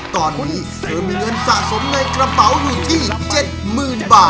ตอนนี้เธอมีเงินสะสมในกระเป๋าหรือที่๗หมื่นบาท